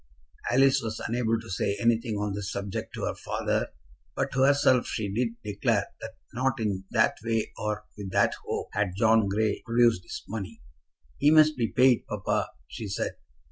Alice was unable to say anything on this subject to her father, but to herself she did declare that not in that way or with that hope had John Grey produced his money. "He must be paid, papa," she said.